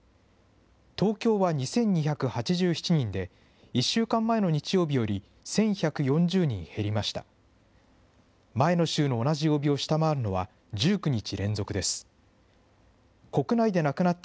東京は２２８７人で、１週間前の日曜日より１１４０人減りました。